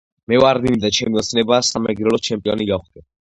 მე ვარ ნინი და ჩემი ოცნებაა სამეგრელოს ჩემპიონი გავხდე